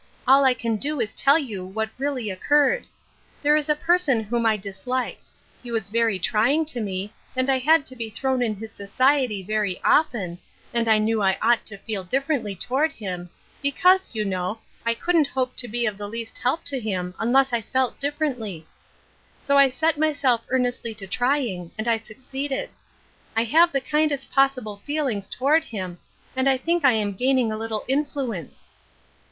All I can do is to tell you what really Oijcurred. There is a person whom I disliked ; h(^ was very trying to me, and I had to be thrown in 1 is society very often, and I knew I ought to feel differently toward him, because, jon know, I couldn't hope to be of the least help to him, unless I felt differently. So I set myself earn nestly to trying, and I succeeded. I have the kindest possible feelings toward him, and I think I am gaining a little influence."